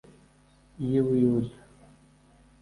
Y i buyuda